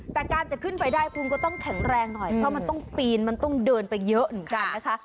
แต่การจะขึ้นไปได้คุณก็ต้องแข็งแรงหน่อยเพราะมันต้องปีนมันต้องเดินไปเยอะเหมือนกันนะคะ